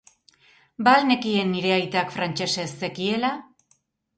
Ba al nekien nire aitak frantsesez zekiela?